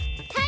はい！